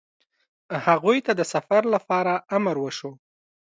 هغوی ته د سفر لپاره امر وشو.